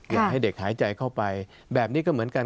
อยากให้เด็กหายใจเข้าไปแบบนี้ก็เหมือนกัน